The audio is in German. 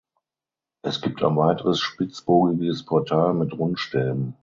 Es gibt ein weiteres spitzbogiges Portal mit Rundstäben.